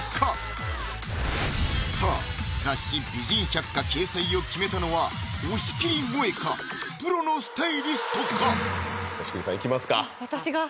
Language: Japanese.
さあ雑誌「美人百花」掲載を決めたのは押切もえかプロのスタイリストか押切さんいきますか私が？